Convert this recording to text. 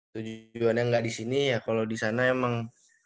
tujuannya gak di sini ya kalo di sana emang